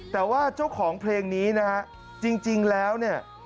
แต่ว่าเจ้าของเพลงนี้นะฮะจริงแล้วเนี่ย